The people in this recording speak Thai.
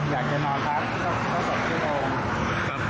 อยากจะนอนก็สอดขึ้นโปรล